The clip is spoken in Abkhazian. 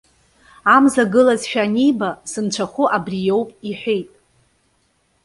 Амза гылазшәа аниба:- Сынцәахәы абри иоуп,- иҳәеит.